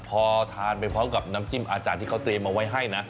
พอทานไปพร้อมกับน้ำจิ้มอาจารย์ที่เขาเตรียมเอาไว้ให้นะ